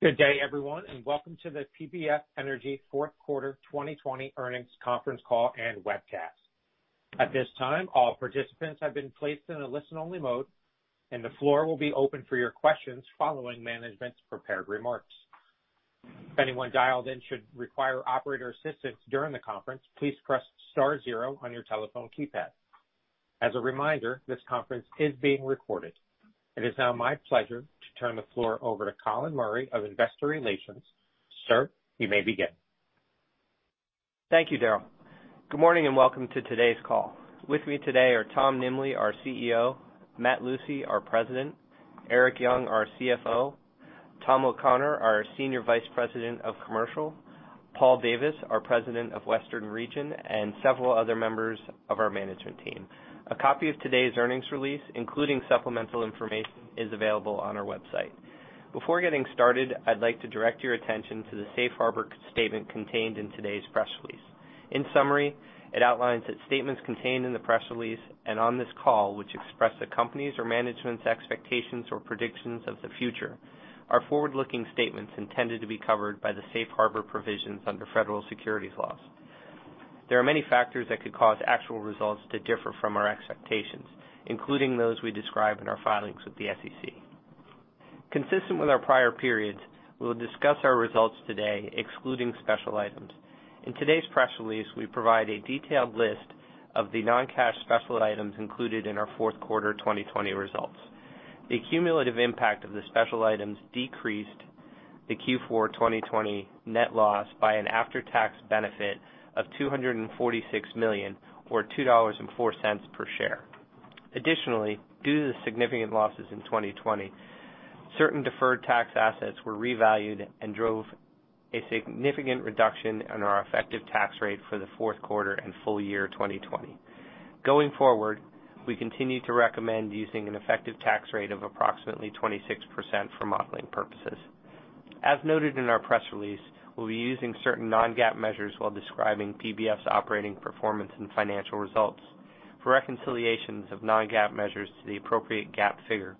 Good day, everyone, and welcome to the PBF Energy fourth quarter 2020 earnings conference call and webcast. It is now my pleasure to turn the floor over to Colin Murray of Investor Relations. Sir, you may begin. Thank you, Daryl. Good morning. Welcome to today's call. With me today are Tom Nimbley, our CEO, Matthew Lucey, our President, Erik Young, our CFO, Thomas O'Connor, our Senior Vice President of Commercial, Paul Davis, our President of Western Region, and several other members of our management team. A copy of today's earnings release, including supplemental information, is available on our website. Before getting started, I'd like to direct your attention to the safe harbor statement contained in today's press release. In summary, it outlines that statements contained in the press release and on this call, which express the company's or management's expectations or predictions of the future, are forward-looking statements intended to be covered by the safe harbor provisions under federal securities laws. There are many factors that could cause actual results to differ from our expectations, including those we describe in our filings with the SEC. Consistent with our prior periods, we'll discuss our results today excluding special items. In today's press release, we provide a detailed list of the non-cash special items included in our fourth quarter 2020 results. The cumulative impact of the special items decreased the Q4 2020 net loss by an after-tax benefit of $246 million, or $2.04 per share. Additionally, due to the significant losses in 2020, certain deferred tax assets were revalued and drove a significant reduction in our effective tax rate for the fourth quarter and full year 2020. Going forward, we continue to recommend using an effective tax rate of approximately 26% for modeling purposes. As noted in our press release, we'll be using certain non-GAAP measures while describing PBF's operating performance and financial results. For reconciliations of non-GAAP measures to the appropriate GAAP figure,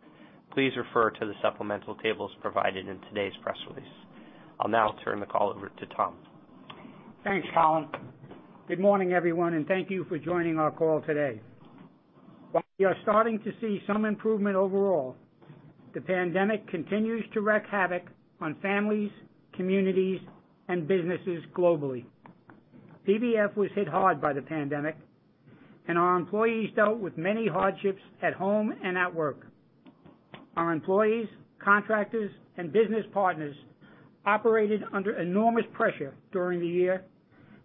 please refer to the supplemental tables provided in today's press release. I'll now turn the call over to Tom. Thanks, Colin. Good morning, everyone, and thank you for joining our call today. While we are starting to see some improvement overall, the pandemic continues to wreak havoc on families, communities, and businesses globally. PBF was hit hard by the pandemic, and our employees dealt with many hardships at home and at work. Our employees, contractors, and business partners operated under enormous pressure during the year,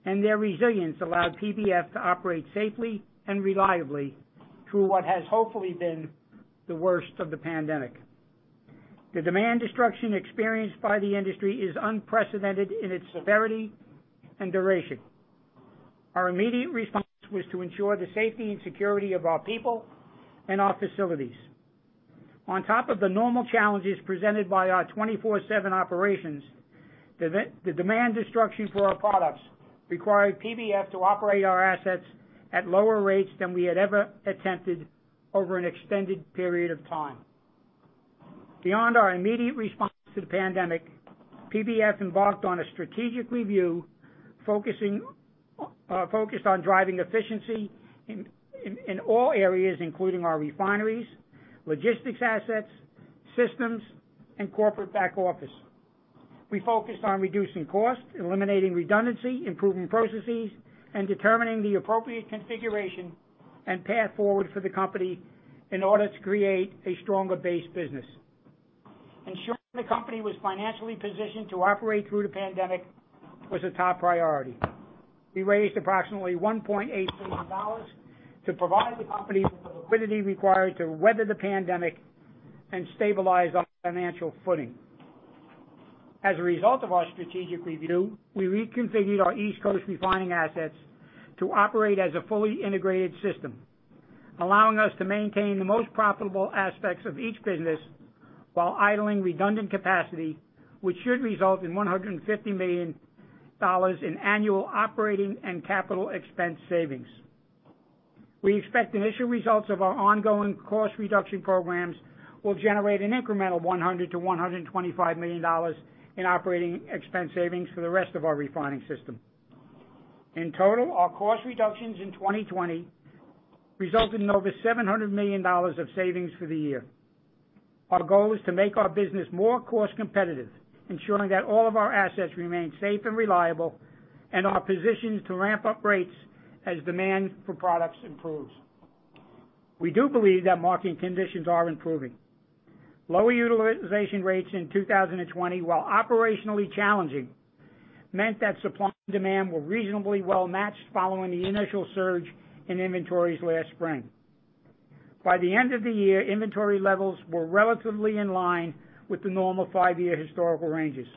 and their resilience allowed PBF to operate safely and reliably through what has hopefully been the worst of the pandemic. The demand destruction experienced by the industry is unprecedented in its severity and duration. Our immediate response was to ensure the safety and security of our people and our facilities. On top of the normal challenges presented by our 24/7 operations, the demand destruction for our products required PBF to operate our assets at lower rates than we had ever attempted over an extended period of time. Beyond our immediate response to the pandemic, PBF embarked on a strategic review focused on driving efficiency in all areas, including our refineries, logistics assets, systems, and corporate back office. We focused on reducing costs, eliminating redundancy, improving processes, and determining the appropriate configuration and path forward for the company in order to create a stronger base business. Ensuring the company was financially positioned to operate through the pandemic was a top priority. We raised approximately $1.8 billion to provide the company with the liquidity required to weather the pandemic and stabilize our financial footing. As a result of our strategic review, we reconfigured our East Coast refining assets to operate as a fully integrated system, allowing us to maintain the most profitable aspects of each business while idling redundant capacity, which should result in $150 million in annual operating and capital expense savings. We expect initial results of our ongoing cost reduction programs will generate an incremental $100 million-$125 million in operating expense savings for the rest of our refining system. In total, our cost reductions in 2020 resulted in over $700 million of savings for the year. Our goal is to make our business more cost-competitive, ensuring that all of our assets remain safe and reliable and are positioned to ramp up rates as demand for products improves. We do believe that marketing conditions are improving. Lower utilization rates in 2020, while operationally challenging, meant that supply and demand were reasonably well-matched following the initial surge in inventories last spring. By the end of the year, inventory levels were relatively in line with the normal five-year historical ranges.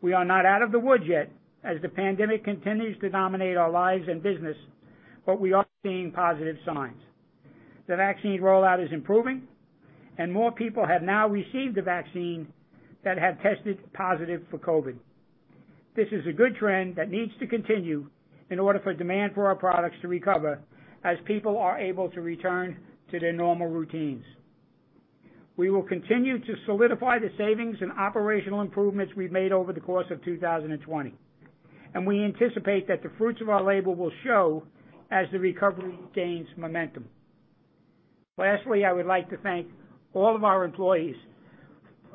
We are not out of the woods yet, as the pandemic continues to dominate our lives and business, but we are seeing positive signs. The vaccine rollout is improving, and more people have now received the vaccine than have tested positive for COVID. This is a good trend that needs to continue in order for demand for our products to recover as people are able to return to their normal routines. We will continue to solidify the savings and operational improvements we've made over the course of 2020, and we anticipate that the fruits of our labor will show as the recovery gains momentum. Lastly, I would like to thank all of our employees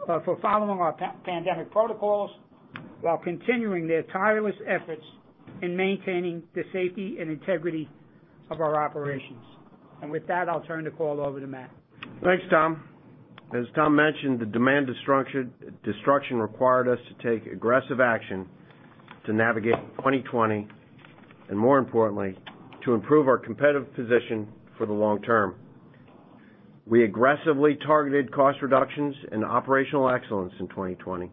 for following our pandemic protocols while continuing their tireless efforts in maintaining the safety and integrity of our operations. With that, I'll turn the call over to Matt. Thanks, Tom. As Tom mentioned, the demand destruction required us to take aggressive action to navigate 2020 and, more importantly, to improve our competitive position for the long term. We aggressively targeted cost reductions and operational excellence in 2020.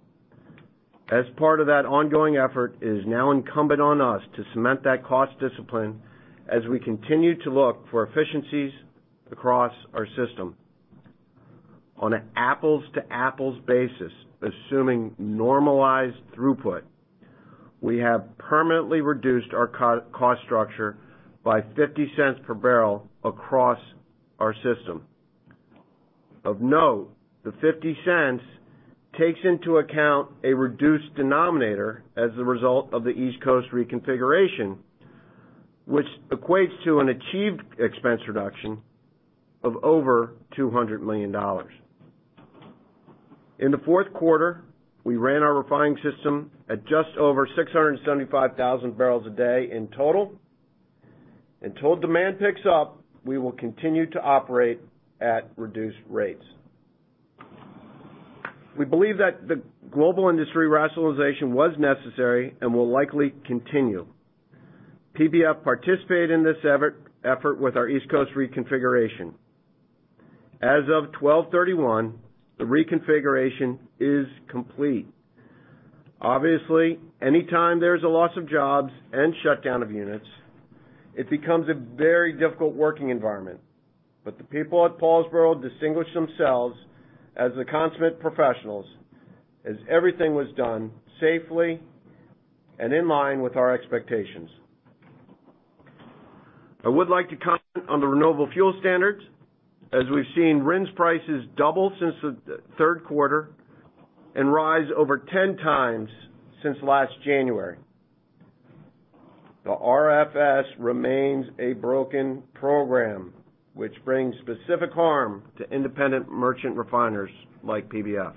As part of that ongoing effort, it is now incumbent on us to cement that cost discipline as we continue to look for efficiencies across our system. On an apples-to-apples basis, assuming normalized throughput, we have permanently reduced our cost structure by $0.50 per bbl across our system. Of note, the $0.50 takes into account a reduced denominator as a result of the East Coast reconfiguration, which equates to an achieved expense reduction of over $200 million. In the fourth quarter, we ran our refining system at just over 675,000 bbls a day in total. Until demand picks up, we will continue to operate at reduced rates. We believe that the global industry rationalization was necessary and will likely continue. PBF participated in this effort with our East Coast reconfiguration. As of 12/31, the reconfiguration is complete. Obviously, any time there's a loss of jobs and shutdown of units, it becomes a very difficult working environment. The people at Paulsboro distinguished themselves as the consummate professionals as everything was done safely and in line with our expectations. I would like to comment on the Renewable Fuel Standard. As we've seen, RINs prices double since the third quarter and rise over 10x since last January. The RFS remains a broken program which brings specific harm to independent merchant refiners like PBF.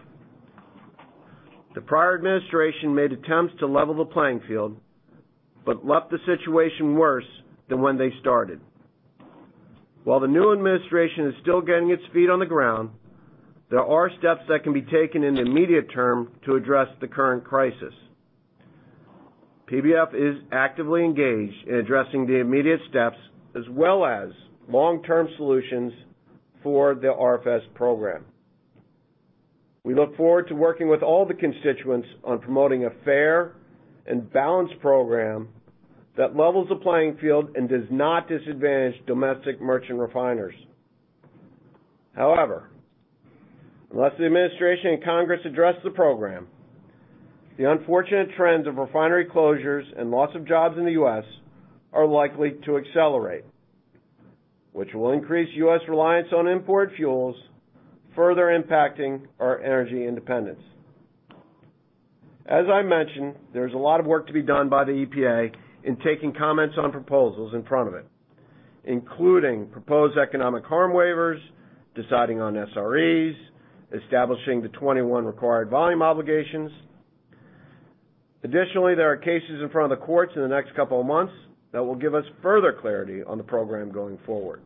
The prior administration made attempts to level the playing field but left the situation worse than when they started. While the new administration is still getting its feet on the ground, there are steps that can be taken in the immediate term to address the current crisis. PBF is actively engaged in addressing the immediate steps as well as long-term solutions for the RFS program. We look forward to working with all the constituents on promoting a fair and balanced program that levels the playing field and does not disadvantage domestic merchant refiners. Unless the administration and Congress address the program, the unfortunate trends of refinery closures and loss of jobs in the U.S. are likely to accelerate, which will increase U.S. reliance on import fuels, further impacting our energy independence. There's a lot of work to be done by the EPA in taking comments on proposals in front of it, including proposed economic harm waivers, deciding on SREs, establishing the 2021 required volume obligations. Additionally, there are cases in front of the courts in the next couple of months that will give us further clarity on the program going forward.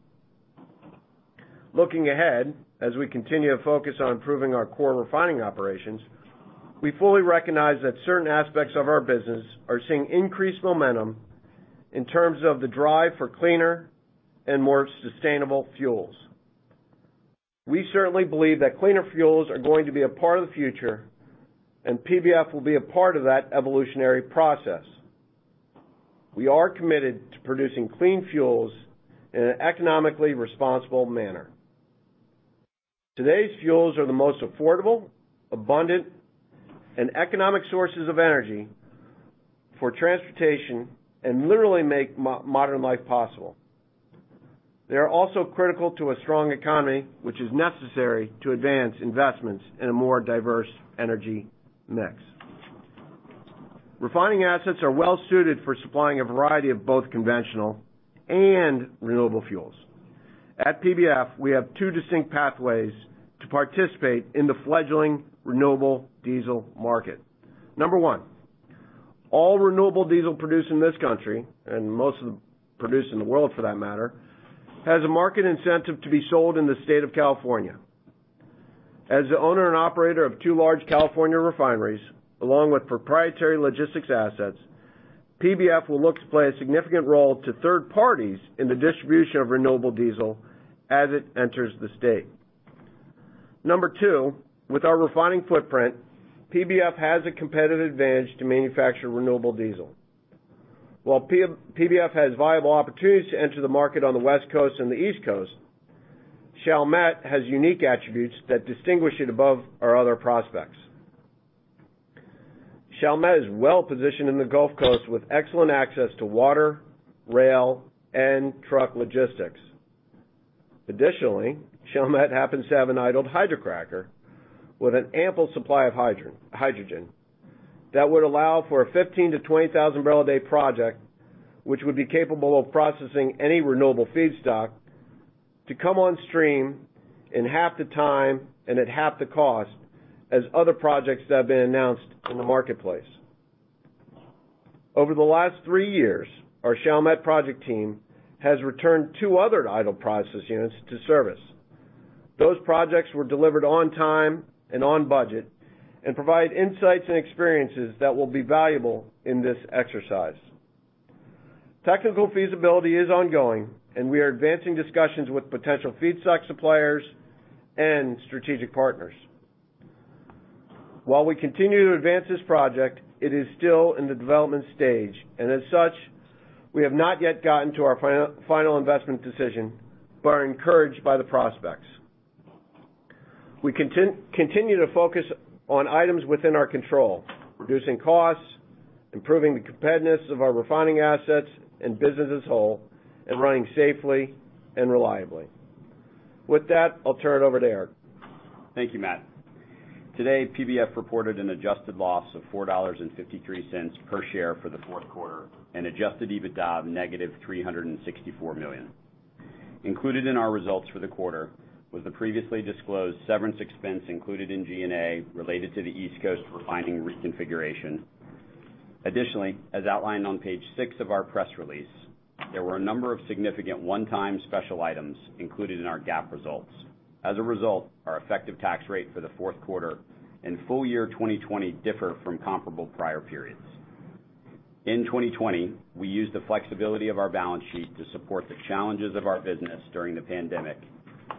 Looking ahead, as we continue to focus on improving our core refining operations, we fully recognize that certain aspects of our business are seeing increased momentum in terms of the drive for cleaner and more sustainable fuels. We certainly believe that cleaner fuels are going to be a part of the future, and PBF will be a part of that evolutionary process. We are committed to producing clean fuels in an economically responsible manner. Today's fuels are the most affordable, abundant, and economic sources of energy for transportation and literally make modern life possible. They are also critical to a strong economy, which is necessary to advance investments in a more diverse energy mix. Refining assets are well suited for supplying a variety of both conventional and renewable fuels. At PBF, we have two distinct pathways to participate in the fledgling renewable diesel market. Number one, all renewable diesel produced in this country, and most of the produced in the world for that matter, has a market incentive to be sold in the state of California. As the owner and operator of two large California refineries, along with proprietary logistics assets, PBF will look to play a significant role to third parties in the distribution of renewable diesel as it enters the state. Number two, with our refining footprint, PBF has a competitive advantage to manufacture renewable diesel. While PBF has viable opportunities to enter the market on the West Coast and the East Coast, Chalmette has unique attributes that distinguish it above our other prospects. Chalmette is well-positioned in the Gulf Coast with excellent access to water, rail, and truck logistics. Additionally, Chalmette happens to have an idled hydrocracker with an ample supply of hydrogen that would allow for a 15,000-20,000-bbl-a-day project, which would be capable of processing any renewable feedstock to come on stream in half the time and at half the cost as other projects that have been announced in the marketplace. Over the last three years, our Chalmette project team has returned two other idle process units to service. Those projects were delivered on time and on budget, and provide insights and experiences that will be valuable in this exercise. Technical feasibility is ongoing, and we are advancing discussions with potential feedstock suppliers and strategic partners. While we continue to advance this project, it is still in the development stage, as such, we have not yet gotten to our final investment decision but are encouraged by the prospects. We continue to focus on items within our control, reducing costs, improving the competitiveness of our refining assets and business as whole, and running safely and reliably. With that, I'll turn it over to Erik. Thank you, Matt. Today, PBF reported an adjusted loss of $4.53 per share for the fourth quarter and Adjusted EBITDA of -$364 million. Included in our results for the quarter was the previously disclosed severance expense included in G&A related to the East Coast refining reconfiguration. As outlined on page six of our press release, there were a number of significant one-time special items included in our GAAP results. Our effective tax rate for the fourth quarter and full year 2020 differ from comparable prior periods. In 2020, we used the flexibility of our balance sheet to support the challenges of our business during the pandemic,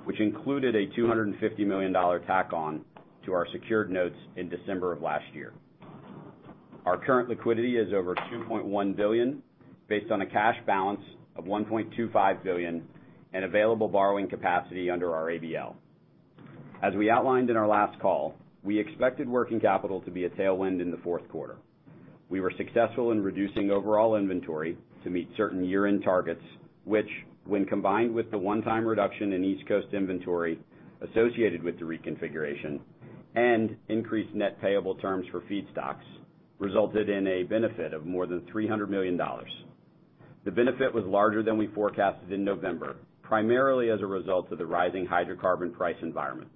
which included a $250 million tack on to our secured notes in December of last year. Our current liquidity is over $2.1 billion, based on a cash balance of $1.25 billion and available borrowing capacity under our ABL. As we outlined in our last call, we expected working capital to be a tailwind in the fourth quarter. We were successful in reducing overall inventory to meet certain year-end targets, which when combined with the one-time reduction in East Coast inventory associated with the reconfiguration and increased net payable terms for feedstocks, resulted in a benefit of more than $300 million. The benefit was larger than we forecasted in November, primarily as a result of the rising hydrocarbon price environment.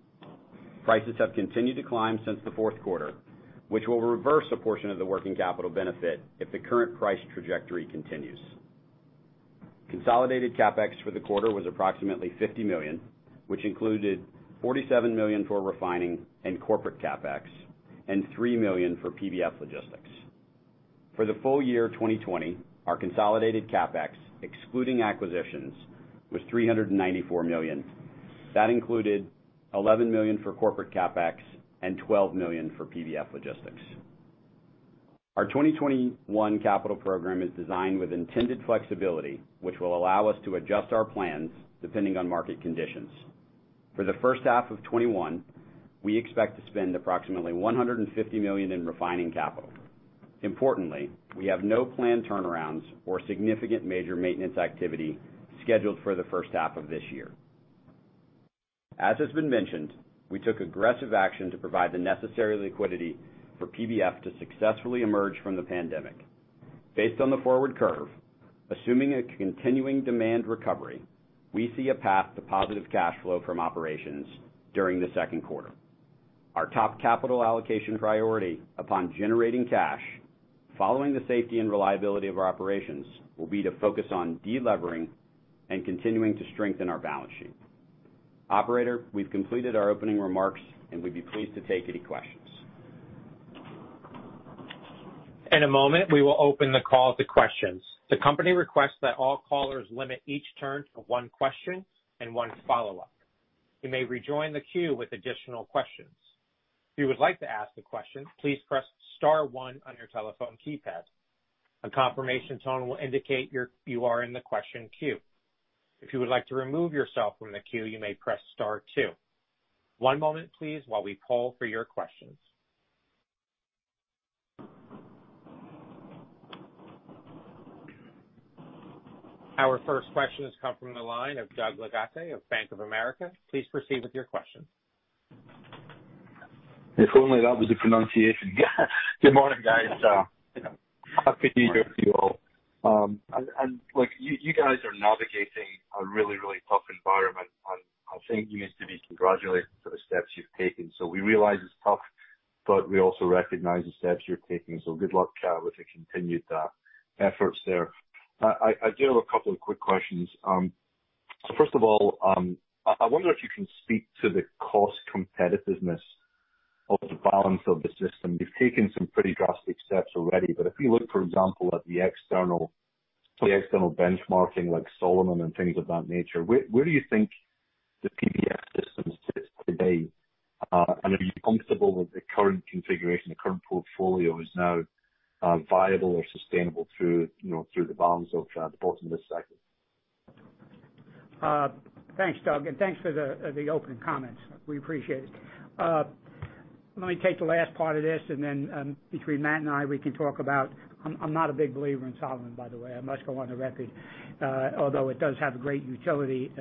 Prices have continued to climb since the fourth quarter, which will reverse a portion of the working capital benefit if the current price trajectory continues. Consolidated CapEx for the quarter was approximately $50 million, which included $47 million for refining and corporate CapEx and $3 million for PBF Logistics. For the full year 2020, our consolidated CapEx, excluding acquisitions, was $394 million. That included $11 million for corporate CapEx and $12 million for PBF Logistics. Our 2021 capital program is designed with intended flexibility, which will allow us to adjust our plans depending on market conditions. For the first half of 2021, we expect to spend approximately $150 million in refining capital. Importantly, we have no planned turnarounds or significant major maintenance activity scheduled for the first half of this year. As has been mentioned, we took aggressive action to provide the necessary liquidity for PBF to successfully emerge from the pandemic. Based on the forward curve, assuming a continuing demand recovery, we see a path to positive cash flow from operations during the second quarter. Our top capital allocation priority upon generating cash, following the safety and reliability of our operations, will be to focus on de-levering and continuing to strengthen our balance sheet. Operator, we've completed our opening remarks, and we'd be pleased to take any questions. In a moment, we will open the call to questions. The company requests that all callers limit each turn to one question and one follow-up. You may rejoin the queue with additional questions. One moment please while we poll for your questions. Our first question has come from the line of Doug Leggate of Bank of America. Please proceed with your question. If only that was the pronunciation. Good morning, guys. Happy New Year to you all. Look, you guys are navigating a really, really tough environment, and I think you need to be congratulated for the steps you've taken. We realize it's tough, but we also recognize the steps you're taking, so good luck with the continued efforts there. I do have a couple of quick questions. First of all, I wonder if you can speak to the cost competitiveness of the balance of the system. You've taken some pretty drastic steps already, but if we look, for example, at the external benchmarking like Solomon, and things of that nature, where do you think the PBF today. Are you comfortable that the current configuration, the current portfolio is now viable or sustainable through the bottoms of the bottom of this cycle? Thanks, Doug, and thanks for the opening comments. We appreciate it. Let me take the last part of this, and then between Matt and I, we can talk about I'm not a big believer in Solomon, by the way. I must go on the record. Although it does have great utility,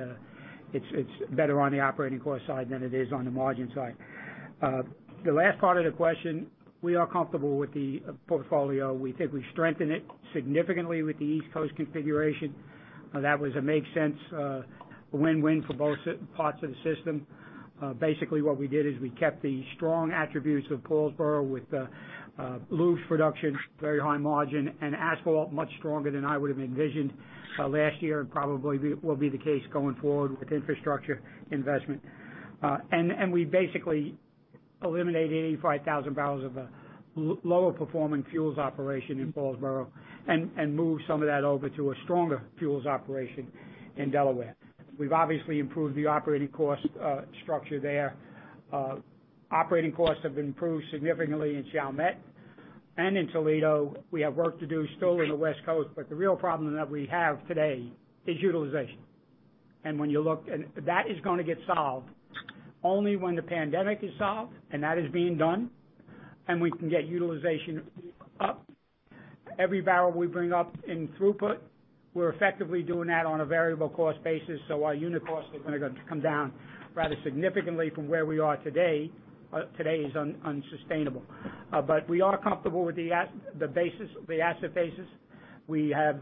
it's better on the operating cost side than it is on the margin side. The last part of the question. We are comfortable with the portfolio. We think we strengthen it significantly with the East Coast configuration. That was a make-sense win-win for both parts of the system. Basically, what we did is we kept the strong attributes of Paulsboro with lube production, very high margin, and asphalt, much stronger than I would've envisioned last year and probably will be the case going forward with infrastructure investment. We basically eliminated 85,000 barrels of a lower-performing fuels operation in Paulsboro and moved some of that over to a stronger fuels operation in Delaware. We've obviously improved the operating cost structure there. Operating costs have improved significantly in Chalmette and in Toledo. We have work to do still in the West Coast, but the real problem that we have today is utilization. That is going to get solved only when the pandemic is solved and that is being done, and we can get utilization up. Every barrel we bring up in throughput, we're effectively doing that on a variable cost basis, so our unit costs are going to come down rather significantly from where we are today. Today is unsustainable. We are comfortable with the asset basis. We have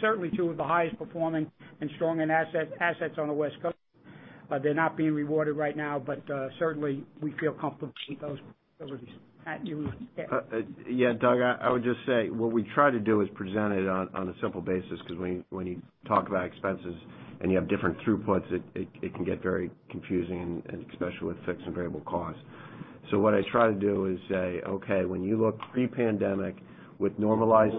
certainly two of the highest-performing and strongest assets on the West Coast. They're not being rewarded right now, but certainly, we feel comfortable to keep those. Matt, do you? Doug, I would just say, what we try to do is present it on a simple basis, because when you talk about expenses and you have different throughputs, it can get very confusing, and especially with fixed and variable costs. What I try to do is say, when you look pre-pandemic with normalized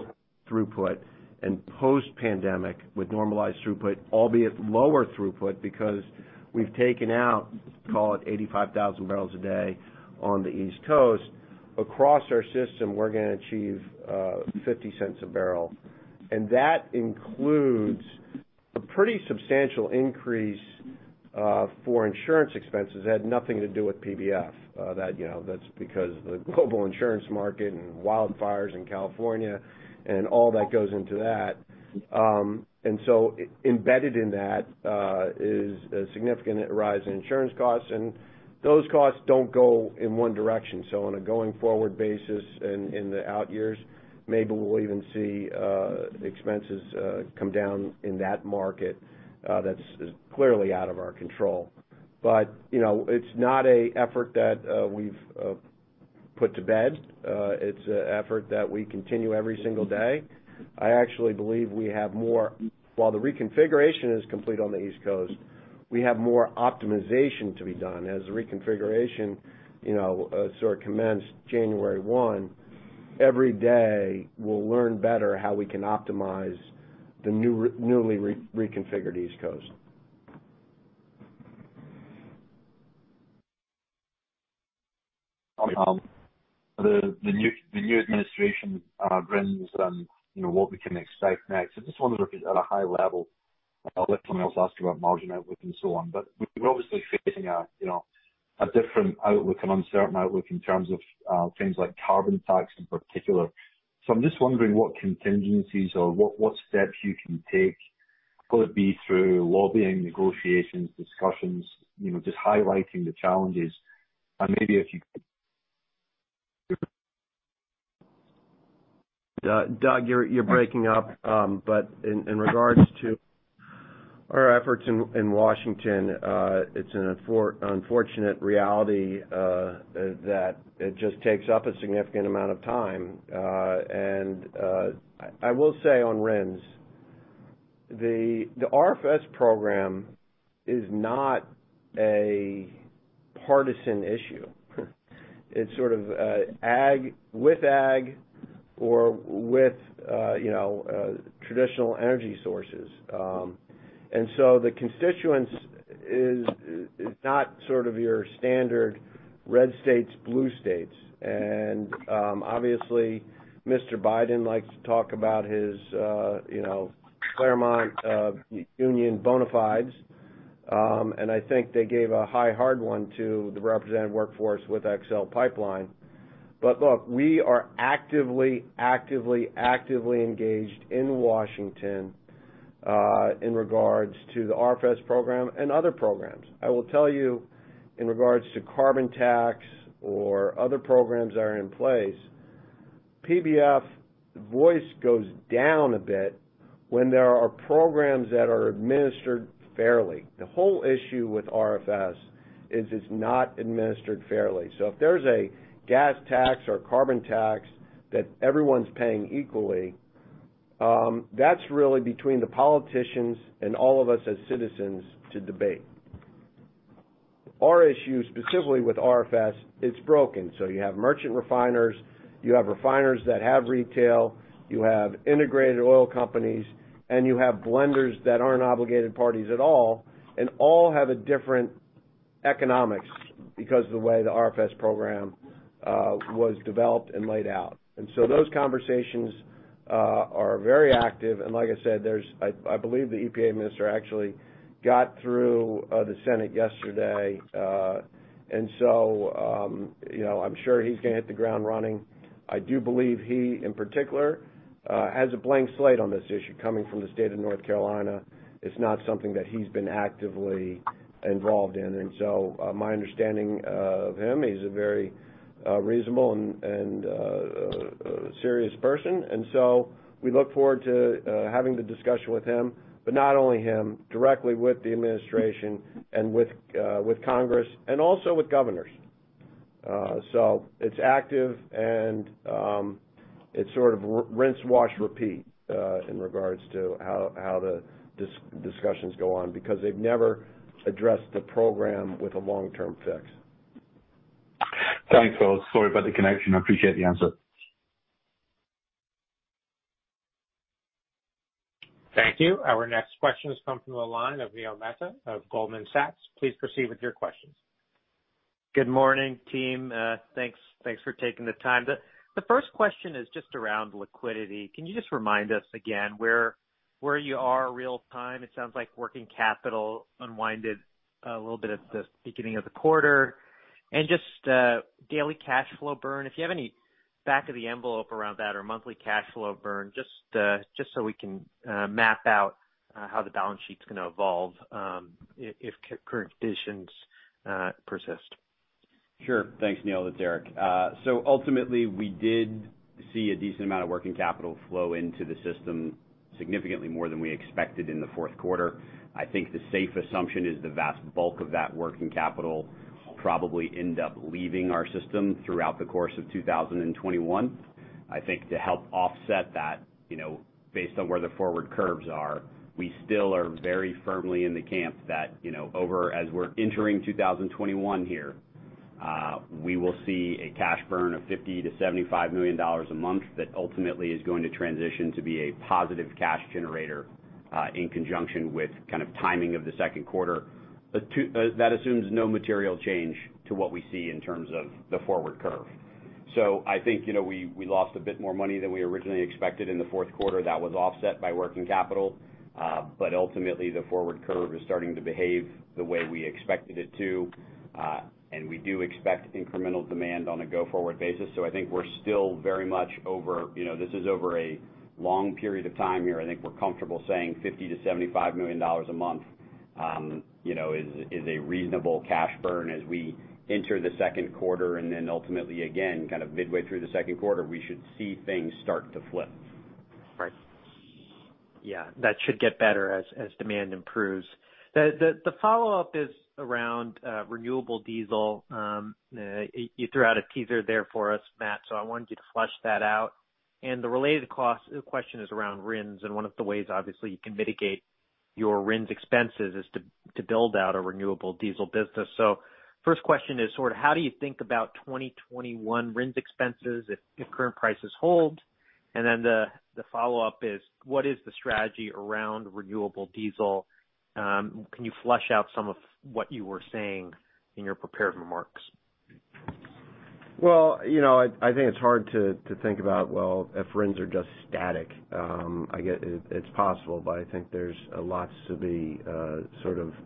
throughput and post-pandemic with normalized throughput, albeit lower throughput because we've taken out, call it 85,000 bbls a day on the East Coast. Across our system, we're going to achieve $0.50 a bbl. That includes a pretty substantial increase for insurance expenses that had nothing to do with PBF. That's because of the global insurance market and wildfires in California and all that goes into that. Embedded in that is a significant rise in insurance costs, and those costs don't go in one direction. On a going-forward basis in the out years, maybe we'll even see expenses come down in that market that's clearly out of our control. It's not an effort that we've put to bed. It's an effort that we continue every single day. I actually believe while the reconfiguration is complete on the East Coast, we have more optimization to be done as the reconfiguration sort of commenced January 1. Every day, we'll learn better how we can optimize the newly reconfigured East Coast. The new administration brings RINs and what we can expect next. I just wonder if at a high level, I'll let someone else ask about margin outlook and so on, but we're obviously facing a different outlook, an uncertain outlook in terms of things like carbon tax in particular. I'm just wondering what contingencies or what steps you can take, could it be through lobbying, negotiations, discussions, just highlighting the challenges, and maybe if you could. Doug, you're breaking up. In regards to our efforts in Washington, it's an unfortunate reality that it just takes up a significant amount of time. I will say on RINs, the RFS program is not a partisan issue. It's sort of with ag or with traditional energy sources. The constituents is not sort of your standard red states, blue states. Obviously, Mr. Biden likes to talk about his Claymont union bona fides. I think they gave a high hard one to the representative workforce with Keystone XL Pipeline. Look, we are actively engaged in Washington, in regards to the RFS program and other programs. I will tell you in regards to carbon tax or other programs that are in place, PBF voice goes down a bit when there are programs that are administered fairly. The whole issue with RFS is it's not administered fairly. If there's a gas tax or carbon tax that everyone's paying equally, that's really between the politicians and all of us as citizens to debate. Our issue, specifically with RFS, it's broken. You have merchant refiners, you have refiners that have retail, you have integrated oil companies, and you have blenders that aren't obligated parties at all, and all have a different economics because of the way the RFS program was developed and laid out. Those conversations are very active, and like I said, I believe the EPA administrator actually got through the Senate yesterday. I'm sure he's going to hit the ground running. I do believe he, in particular, has a blank slate on this issue, coming from the state of North Carolina. It's not something that he's been actively involved in. My understanding of him, he's a very reasonable and serious person. We look forward to having the discussion with him, but not only him, directly with the Administration and with Congress and also with governors. It's active and it's sort of rinse, wash, repeat in regards to how the discussions go on, because they've never addressed the program with a long-term fix. Thanks, folks. Sorry about the connection. I appreciate the answer. Thank you. Our next question is coming from the line of Neil Mehta of Goldman Sachs. Please proceed with your questions. Good morning, team. Thanks for taking the time. The first question is just around liquidity. Can you just remind us again where you are real-time? It sounds like working capital unwinded a little bit at the beginning of the quarter. Just daily cash flow burn. If you have any back of the envelope around that or monthly cash flow burn, just so we can map out how the balance sheet's going to evolve if current conditions persist. Sure. Thanks, Neil, it's Erik. Ultimately, we did see a decent amount of working capital flow into the system, significantly more than we expected in the fourth quarter. I think the safe assumption is the vast bulk of that working capital will probably end up leaving our system throughout the course of 2021. I think to help offset that, based on where the forward curves are, we still are very firmly in the camp that, as we're entering 2021 here, we will see a cash burn of $50 million-$75 million a month that ultimately is going to transition to be a positive cash generator, in conjunction with timing of the second quarter. That assumes no material change to what we see in terms of the forward curve. I think, we lost a bit more money than we originally expected in the fourth quarter. That was offset by working capital. Ultimately, the forward curve is starting to behave the way we expected it to. We do expect incremental demand on a go-forward basis. I think we're still very much over. This is over a long period of time here. I think we're comfortable saying $50 million-$75 million a month is a reasonable cash burn as we enter the second quarter, ultimately, again, kind of midway through the second quarter, we should see things start to flip. Right. Yeah, that should get better as demand improves. The follow-up is around renewable diesel. You threw out a teaser there for us, Matt, so I wanted you to flesh that out. The related question is around RINs and one of the ways, obviously, you can mitigate your RINs expenses is to build out a renewable diesel business. First question is how do you think about 2021 RINs expenses if current prices hold? The follow-up is what is the strategy around renewable diesel? Can you flesh out some of what you were saying in your prepared remarks? Well, I think it's hard to think about, well, if RINs are just static. It's possible, but I think there's lots to be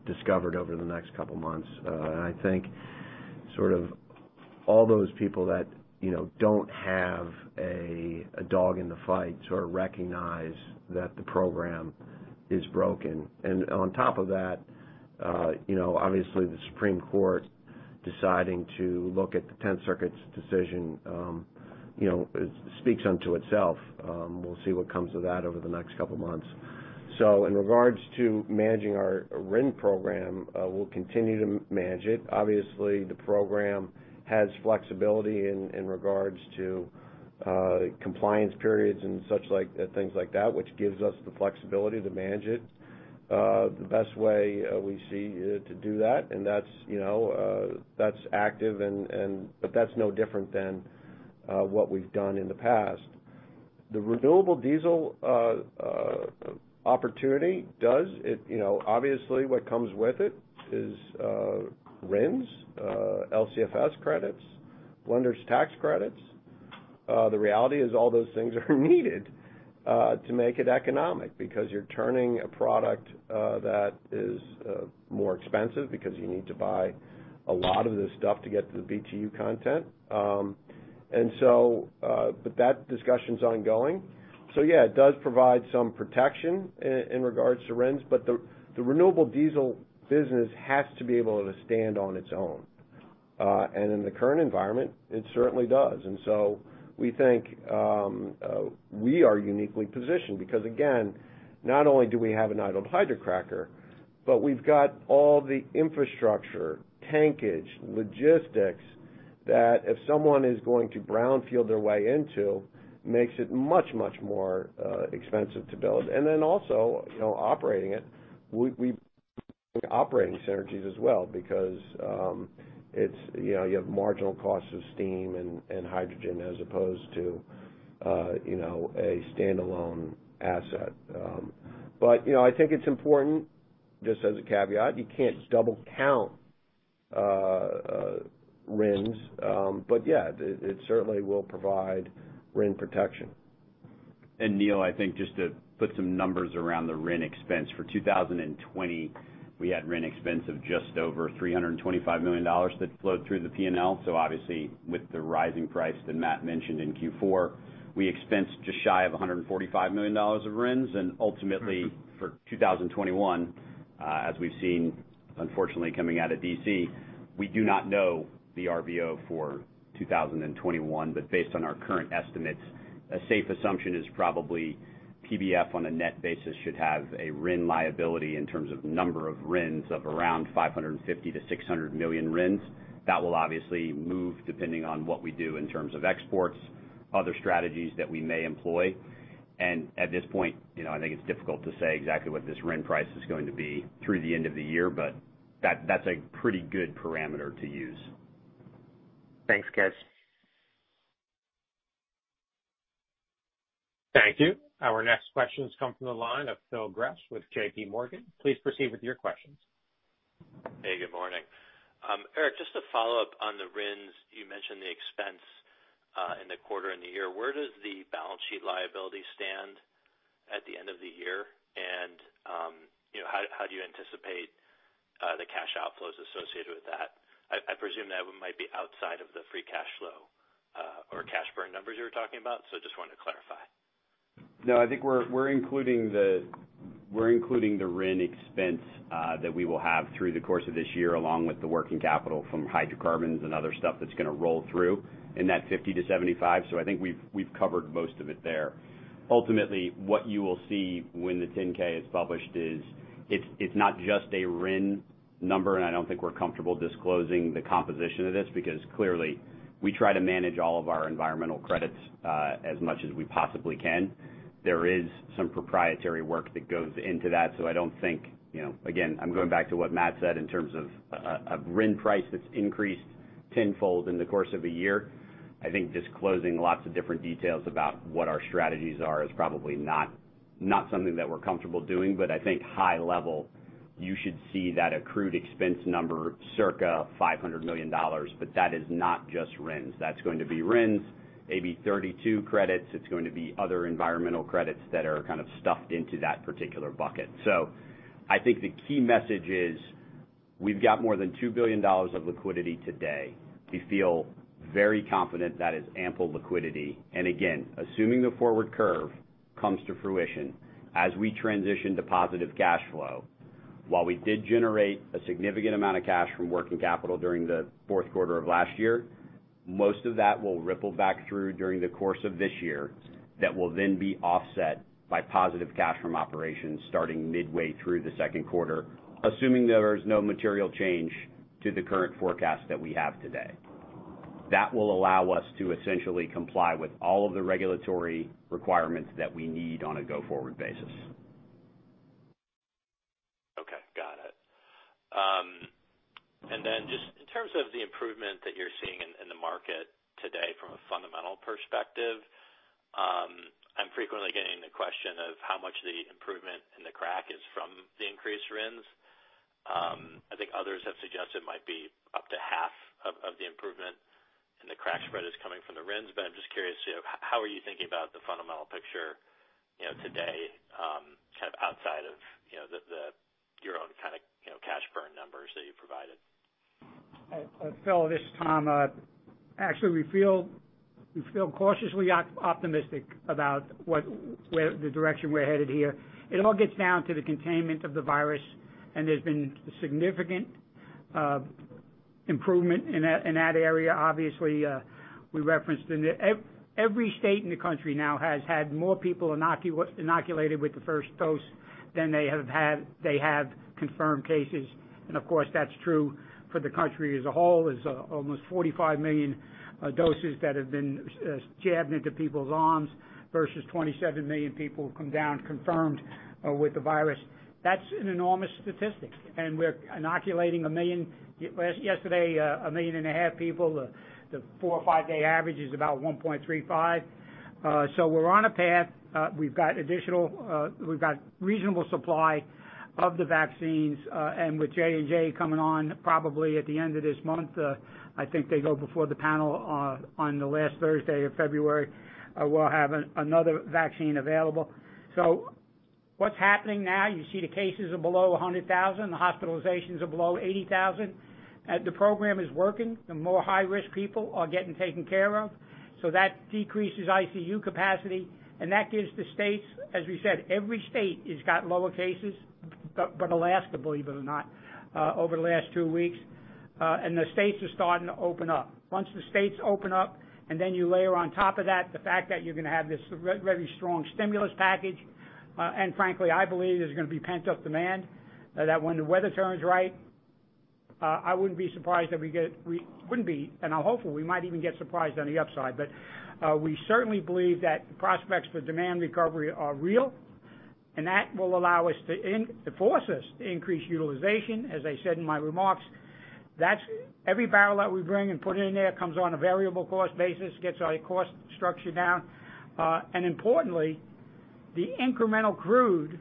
discovered over the next couple of months. I think all those people that don't have a dog in the fight recognize that the program is broken. On top of that, obviously, the Supreme Court deciding to look at the Tenth Circuit's decision speaks unto itself. We'll see what comes of that over the next couple of months. In regards to managing our RIN program, we'll continue to manage it. Obviously, the program has flexibility in regards to compliance periods and things like that, which gives us the flexibility to manage it. The best way we see to do that, and that's active, but that's no different than what we've done in the past. The renewable diesel opportunity. Obviously, what comes with it is RINs, LCFS credits, blenders' tax credits. The reality is all those things are needed to make it economic because you're turning a product that is more expensive because you need to buy a lot of this stuff to get to the BTU content. That discussion's ongoing. Yeah, it does provide some protection in regards to RINs, but the renewable diesel business has to be able to stand on its own. In the current environment, it certainly does. We think we are uniquely positioned because, again, not only do we have an idled hydrocracker, but we've got all the infrastructure, tankage, logistics That if someone is going to brownfield their way into, makes it much more expensive to build. Also operating it, we operating synergies as well because you have marginal costs of steam and hydrogen as opposed to a standalone asset. I think it's important, just as a caveat, you can't double count RINs. Yeah, it certainly will provide RIN protection. Neil, I think just to put some numbers around the RIN expense. For 2020, we had RIN expense of $325 million that flowed through the P&L. Obviously with the rising price that Matt mentioned in Q4, we expensed $145 million of RINs. Ultimately for 2021, as we've seen, unfortunately, coming out of D.C., we do not know the RVO for 2021. Based on our current estimates, a safe assumption is probably PBF on a net basis should have a RIN liability in terms of number of RINs of around 550 million-600 million RINs. That will obviously move depending on what we do in terms of exports, other strategies that we may employ. At this point, I think it's difficult to say exactly what this RIN price is going to be through the end of the year, but that's a pretty good parameter to use. Thanks, guys. Thank you. Our next questions come from the line of Phil Gresh with JPMorgan. Please proceed with your questions. Hey, good morning. Erik, just to follow up on the RINs, you mentioned the expense in the quarter and the year. Where does the balance sheet liability stand at the end of the year? How do you anticipate the cash outflows associated with that? I presume that might be outside of the free cash flow or cash burn numbers you were talking about, just wanted to clarify. No, I think we're including the RIN expense that we will have through the course of this year, along with the working capital from hydrocarbons and other stuff that's going to roll through in that $50-$75. I think we've covered most of it there. Ultimately, what you will see when the 10-K is published is it's not just a RIN number, and I don't think we're comfortable disclosing the composition of this because clearly we try to manage all of our environmental credits as much as we possibly can. There is some proprietary work that goes into that, so I don't think, again, I'm going back to what Matt said in terms of a RIN price that's increased tenfold in the course of a year. I think disclosing lots of different details about what our strategies are is probably not something that we're comfortable doing. I think high level, you should see that accrued expense number circa $500 million, but that is not just RINs. That's going to be RINs, AB 32 credits. It's going to be other environmental credits that are kind of stuffed into that particular bucket. I think the key message is we've got more than $2 billion of liquidity today. We feel very confident that is ample liquidity. Again, assuming the forward curve comes to fruition as we transition to positive cash flow. While we did generate a significant amount of cash from working capital during the fourth quarter of last year, most of that will ripple back through during the course of this year. That will then be offset by positive cash from operations starting midway through the second quarter, assuming there's no material change to the current forecast that we have today. That will allow us to essentially comply with all of the regulatory requirements that we need on a go-forward basis. Okay. Got it. Just in terms of the improvement that you're seeing in the market today from a fundamental perspective, I'm frequently getting the question of how much the improvement in the crack is from the increased RINs. I think others have suggested it might be up to half of the improvement and the crack spread is coming from the RINs. I'm just curious, how are you thinking about the fundamental picture today, kind of outside of your own kind of cash burn numbers that you've provided? Phil, this is Tom. Actually, we feel cautiously optimistic about the direction we're headed here. It all gets down to the containment of the virus, and there's been significant improvement in that area. Obviously, we referenced every state in the country now has had more people inoculated with the first dose than they have confirmed cases. Of course, that's true for the country as a whole. There's almost 45 million doses that have been jabbed into people's arms versus 27 million people confirmed with the virus. That's an enormous statistic. We're inoculating 1.5 million people. The four or five-day average is about 1.35. We're on a path. We've got reasonable supply of the vaccines. With J&J coming on probably at the end of this month, I think they go before the panel on the last Thursday of February, we'll have another vaccine available. What's happening now, you see the cases are below 100,000. The hospitalizations are below 80,000. The program is working. The more high-risk people are getting taken care of. That decreases ICU capacity, and that gives the states, as we said, every state has got lower cases, but Alaska, believe it or not, over the last two weeks. The states are starting to open up. Once the states open up, then you layer on top of that the fact that you're going to have this very strong stimulus package. Frankly, I believe there's going to be pent-up demand, that when the weather turns right, I wouldn't be surprised that we wouldn't be, and hopefully, we might even get surprised on the upside. We certainly believe that the prospects for demand recovery are real, and that will force us to increase utilization. As I said in my remarks, every barrel that we bring and put in there comes on a variable cost basis, gets our cost structure down. Importantly, the incremental crude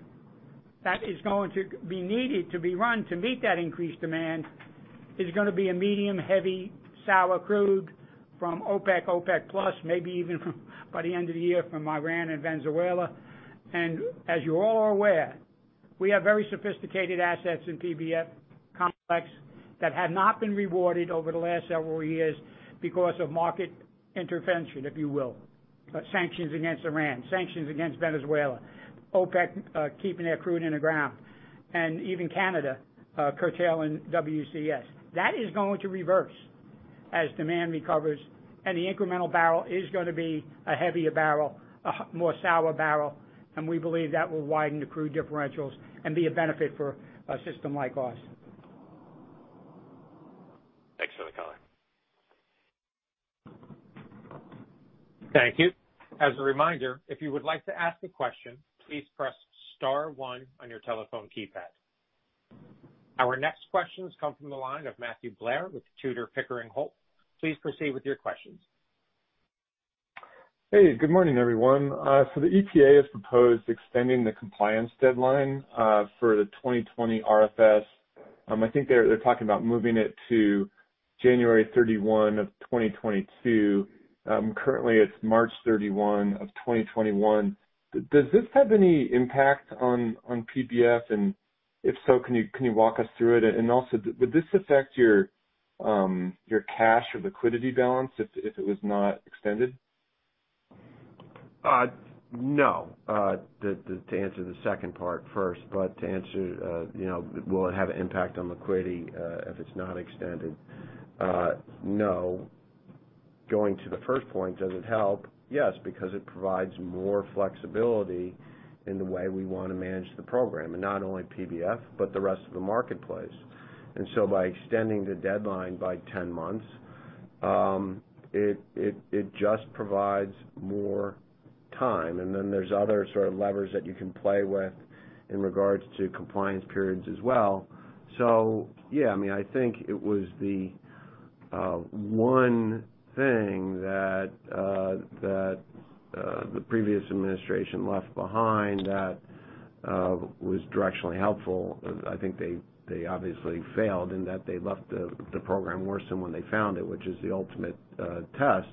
that is going to be needed to be run to meet that increased demand is going to be a medium-heavy sour crude from OPEC+, maybe even by the end of the year from Iran and Venezuela. As you all are aware, we have very sophisticated assets in PBF complex that have not been rewarded over the last several years because of market intervention, if you will. Sanctions against Iran, sanctions against Venezuela, OPEC keeping their crude in the ground, and even Canada curtailing WCS. That is going to reverse as demand recovers, and the incremental barrel is going to be a heavier barrel, a more sour barrel, and we believe that will widen the crude differentials and be a benefit for a system like ours. Thanks for the color. Thank you. As a reminder, if you would like to ask a question, please press star one on your telephone keypad. Our next questions come from the line of Matthew Blair with Tudor, Pickering, Holt. Please proceed with your questions. Hey, good morning, everyone. The EPA has proposed extending the compliance deadline for the 2020 RFS. I think they're talking about moving it to January 31 of 2022. Currently, it's March 31 of 2021. Does this have any impact on PBF? If so, can you walk us through it? Also, would this affect your cash or liquidity balance if it was not extended? No. To answer the second part first, but to answer will it have an impact on liquidity if it's not extended? No. Going to the first point, does it help? Yes, because it provides more flexibility in the way we want to manage the program, and not only PBF, but the rest of the marketplace. By extending the deadline by 10 months, it just provides more time. There's other sort of levers that you can play with in regards to compliance periods as well. Yeah, I think it was the one thing that the previous administration left behind that was directionally helpful. I think they obviously failed in that they left the program worse than when they found it, which is the ultimate test.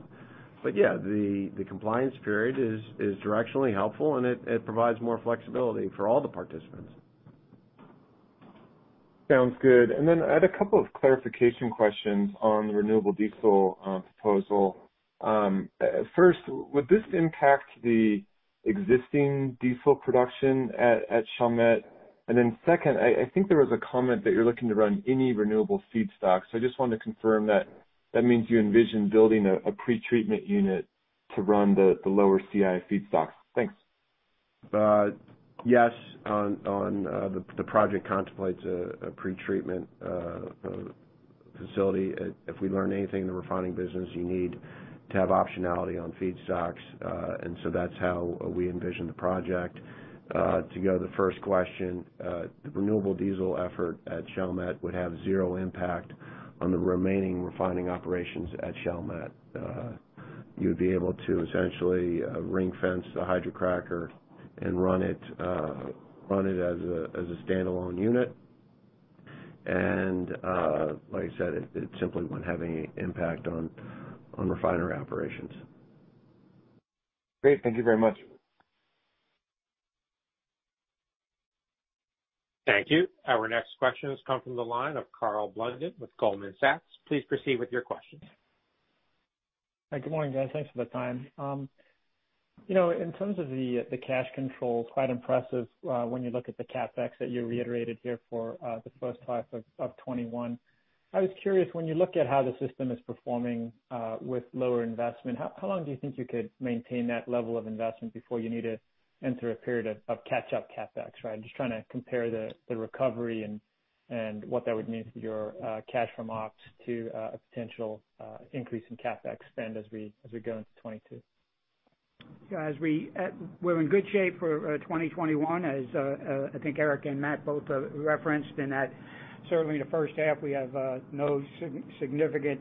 Yeah, the compliance period is directionally helpful, and it provides more flexibility for all the participants. Sounds good. I had a couple of clarification questions on the renewable diesel proposal. First, would this impact the existing diesel production at Chalmette? Second, I think there was a comment that you're looking to run any renewable feedstock. I just wanted to confirm that that means you envision building a pre-treatment unit to run the lower CI feedstocks. Thanks. Yes. The project contemplates a pre-treatment facility. If we learn anything in the refining business, you need to have optionality on feedstocks. That's how we envision the project. To go to the first question, the renewable diesel effort at Chalmette would have zero impact on the remaining refining operations at Chalmette. You'd be able to essentially ring-fence the hydrocracker and run it as a standalone unit. Like I said, it simply wouldn't have any impact on refiner operations. Great. Thank you very much. Thank you. Our next question comes from the line of Karl Blunden with Goldman Sachs. Please proceed with your questions. Hi. Good morning, guys. Thanks for the time. In terms of the cash control, it's quite impressive when you look at the CapEx that you reiterated here for the first half of 2021. I was curious, when you look at how the system is performing with lower investment, how long do you think you could maintain that level of investment before you need to enter a period of catch-up CapEx, right? Just trying to compare the recovery and what that would mean for your cash from ops to a potential increase in CapEx spend as we go into 2022. We're in good shape for 2021, as I think Erik and Matt both referenced, in that certainly in the first half, we have no significant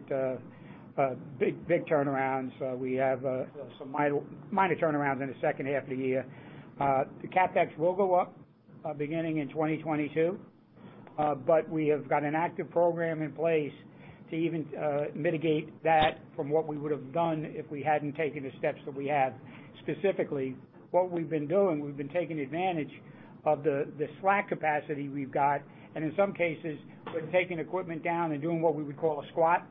big turnarounds. We have some minor turnarounds in the second half of the year. The CapEx will go up beginning in 2022. We have got an active program in place to even mitigate that from what we would have done if we hadn't taken the steps that we have. Specifically, what we've been doing, we've been taking advantage of the slack capacity we've got, and in some cases, we're taking equipment down and doing what we would call a squat.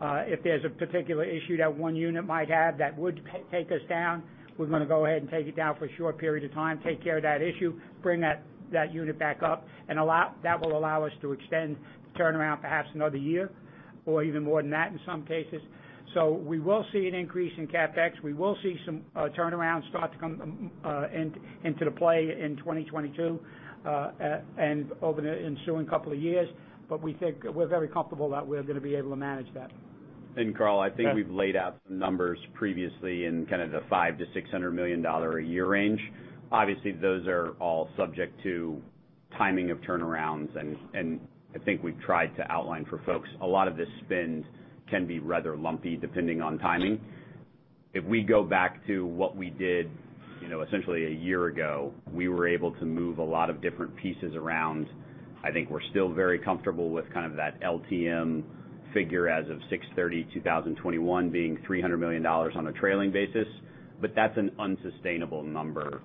If there's a particular issue that one unit might have that would take us down, we're going to go ahead and take it down for a short period of time, take care of that issue, bring that unit back up, and that will allow us to extend the turnaround perhaps another year or even more than that in some cases. We will see an increase in CapEx. We will see some turnarounds start to come into play in 2022, and over the ensuing couple of years. We're very comfortable that we're going to be able to manage that. Karl, I think we've laid out the numbers previously in kind of the $500 million-$600 million a year range. Obviously, those are all subject to timing of turnarounds, and I think we've tried to outline for folks, a lot of this spend can be rather lumpy, depending on timing. If we go back to what we did essentially a year ago, we were able to move a lot of different pieces around. I think we're still very comfortable with kind of that LTM figure as of 6/30/2021 being $300 million on a trailing basis. That's an unsustainable number,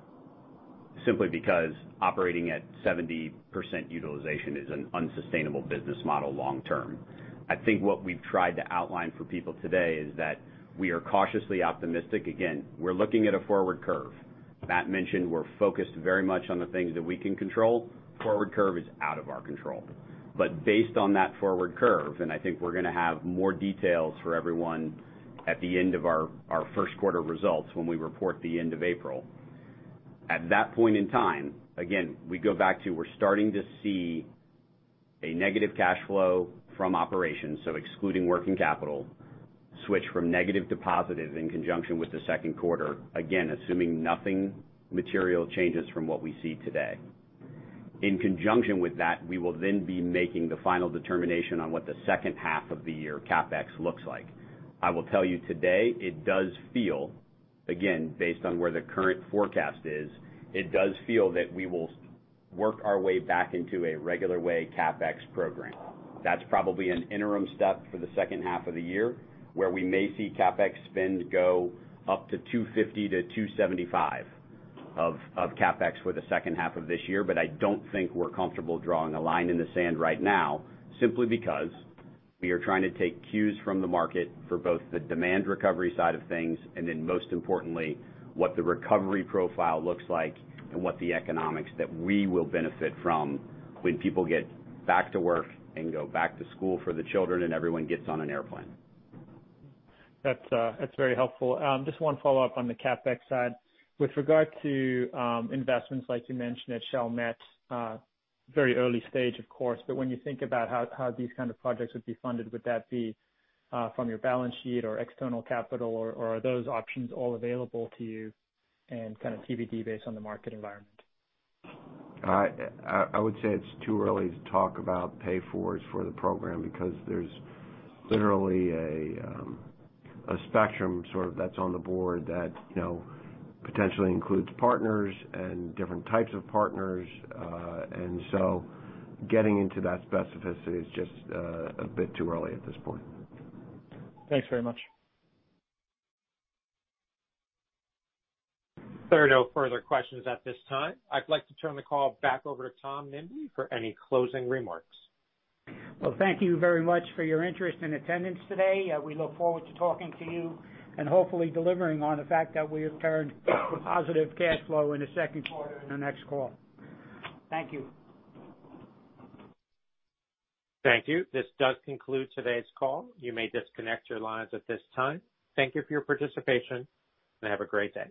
simply because operating at 70% utilization is an unsustainable business model long term. I think what we've tried to outline for people today is that we are cautiously optimistic. Again, we're looking at a forward curve. Matt mentioned we're focused very much on the things that we can control. Forward curve is out of our control. Based on that forward curve, and I think we're going to have more details for everyone at the end of our first quarter results when we report the end of April. At that point in time, again, we go back to, we're starting to see a negative cash flow from operations, so excluding working capital, switch from negative to positive in conjunction with the second quarter. Again, assuming nothing material changes from what we see today. In conjunction with that, we will then be making the final determination on what the second half of the year CapEx looks like. I will tell you today, it does feel, again, based on where the current forecast is, it does feel that we will work our way back into a regular way CapEx program. That's probably an interim step for the second half of the year, where we may see CapEx spend go up to $250-$275 of CapEx for the second half of this year. I don't think we're comfortable drawing a line in the sand right now, simply because we are trying to take cues from the market for both the demand recovery side of things, and then most importantly, what the recovery profile looks like and what the economics that we will benefit from when people get back to work and go back to school for the children and everyone gets on an airplane. That's very helpful. Just one follow-up on the CapEx side. With regard to investments, like you mentioned at Chalmette, very early stage, of course, but when you think about how these kind of projects would be funded, would that be from your balance sheet or external capital, or are those options all available to you and kind of TBD based on the market environment? I would say it's too early to talk about pay-fors for the program because there's literally a spectrum sort of that's on the board that potentially includes partners and different types of partners. Getting into that specificity is just a bit too early at this point. Thanks very much. There are no further questions at this time. I'd like to turn the call back over to Tom Nimbley for any closing remarks. Well, thank you very much for your interest and attendance today. We look forward to talking to you and hopefully delivering on the fact that we have turned to positive cash flow in the second quarter in our next call. Thank you. Thank you. This does conclude today's call. You may disconnect your lines at this time. Thank you for your participation, and have a great day.